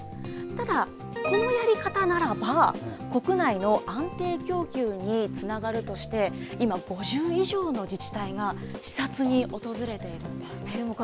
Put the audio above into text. ただ、このやり方ならば、国内の安定供給につながるとして、今、５０以上の自治体が視察に訪れているんです。